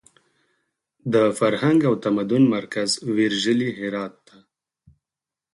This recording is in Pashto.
د فرهنګ او تمدن مرکز ویرژلي هرات ته!